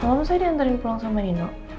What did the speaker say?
lalu saya diantarin pulang sama nino